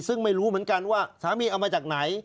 ซึ่งไม่รู้เหมือนกันว่าสามีเอามาจากไหน